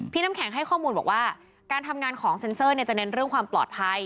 น้ำแข็งให้ข้อมูลบอกว่าการทำงานของเซ็นเซอร์จะเน้นเรื่องความปลอดภัย